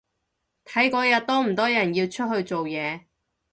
睇嗰日多唔多人要出去做嘢